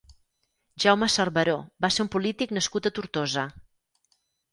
Jaume Cerveró va ser un polític nascut a Tortosa.